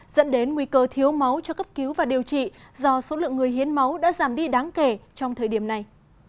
dẫn đến nguy cơ thiếu máu cho cấp cứu và điều trị do số lượng người hiến máu đã giảm đi đáng kể trong thời điểm này